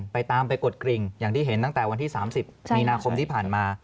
ไปตามไปกดกริ่งอย่างที่เห็นตั้งแต่วันที่๓๐มีนาคมที่ผ่านมา